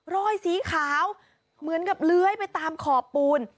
รอยสีขาวเหมือนกับเลื้อยไปตามขอบปูน